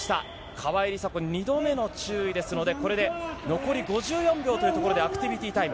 川井梨紗子、２度目の注意ですので、これで残り５４秒というところで、アクティビティタイム。